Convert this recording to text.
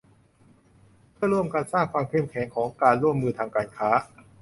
เพื่อร่วมกันสร้างความเข้มแข็งทางการร่วมมือทางการค้า